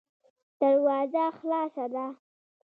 دروازه خلاصه ده.